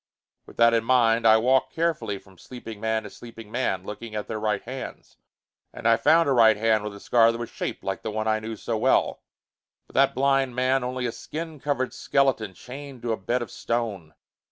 With that in mind, I walked carefully from sleeping man to sleeping man, looking at their right hands. And I found a right hand with a scar that was shaped like the one I knew so well. But that blind man, only a skin covered skeleton, chained to a bed of stone!